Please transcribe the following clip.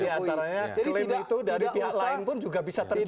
di antaranya klaim itu dari pihak lain pun juga bisa terjadi